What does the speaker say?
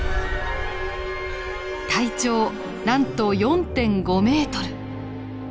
体長なんと４．５ｍ。